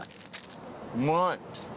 うまい。